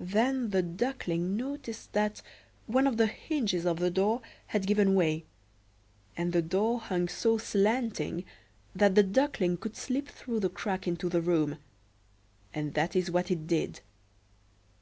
Then the Duckling noticed that one of the hinges of the door had given way, and the door hung so slanting that the Duckling could slip through the crack into the room; and that is what it did.